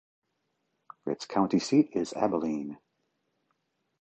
Its county seat is Abilene.